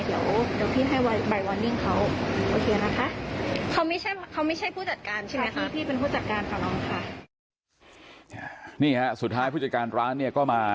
เดี๋ยวพี่ให้ใบนิ่งเค้าโอเคนะคะ